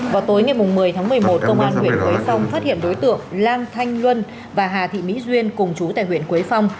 vào tối ngày một mươi tháng một mươi một công an huyện quế phong phát hiện đối tượng lan thanh luân và hà thị mỹ duyên cùng chú tại huyện quế phong